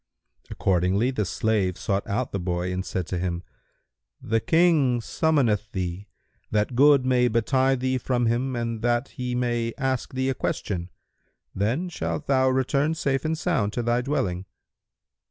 Accordingly the slave sought out the boy and said to him, "The King summoneth thee, that good may betide thee from him and that he may ask thee a question; then shalt thou return safe and sound to thy dwelling."